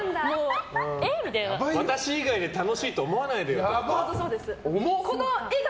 私以外で楽しいと思わないでよって。